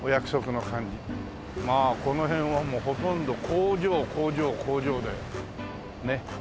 まあこの辺はもうほとんど工場工場工場でねっ。